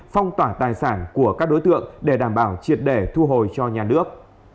và tài sản của các đối tượng để đảm bảo triệt để thu hồi cho nhà nước